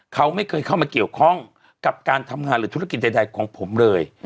เขาไม่เคยเข้ามาเกี่ยวข้องกับการทำงานหรือธุรกิจใดของผมเลย